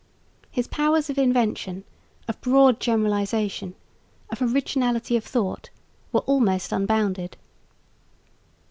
His powers of invention, of broad generalisation, of originality of thought were almost unbounded.